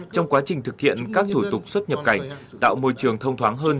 trong quá trình thực hiện các thủ tục xuất nhập cảnh tạo môi trường thông thoáng hơn